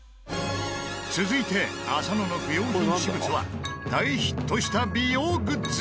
続いて浅野の不要品私物は大ヒットした美容グッズ。